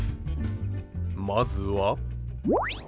まずは。